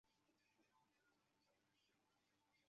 非受限自由球员可以自行选择签约的球队。